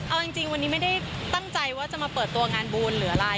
เอาจริงวันนี้ไม่ได้ตั้งใจว่าจะมาเปิดตัวงานบุญหรืออะไร